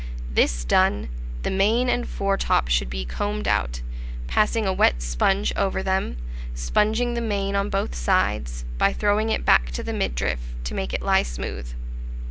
This done, the mane and foretop should be combed out, passing a wet sponge over them, sponging the mane on both sides, by throwing it back to the midriff, to make it lie smooth.